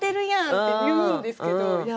って言うんですけどいや